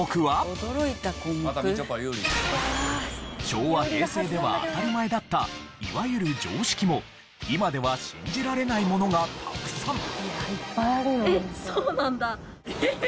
昭和・平成では当たり前だったいわゆる常識も今では信じられないものがたくさん。